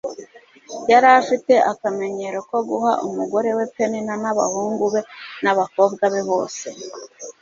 yari afite akamenyero ko guha umugore we penina n'abahungu be n'abakobwa be bose